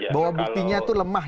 bahwa buktinya itu lemah